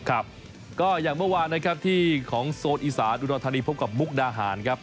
ครับก็อย่างเมื่อวานนะครับที่ของโซนอีสานอุดรธานีพบกับมุกดาหารครับ